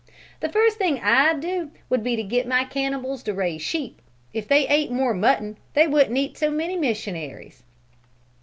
The first thing I'd do would be to get my cannibals to raise sheep. If they ate more mutton, they wouldn't eat so many missionaries."